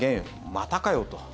またかよと。